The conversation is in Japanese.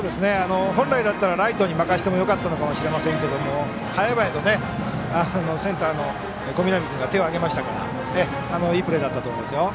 本来だったらライトに任せてもよかったかもしれませんが早々とセンターの小南君が手を上げましたからいいプレーだったと思います。